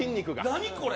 何これ？